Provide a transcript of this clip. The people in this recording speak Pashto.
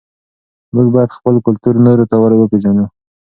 موږ باید خپل کلتور نورو ته وپېژنو.